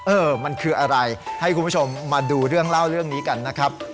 เออมันคืออะไรให้คุณผู้ชมมาดูเรื่องเล่าเรื่องนี้กันนะครับ